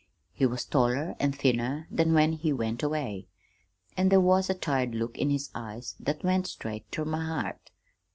He was taller an' thinner than when he went away, an' there was a tired look in his eyes that went straight ter my heart.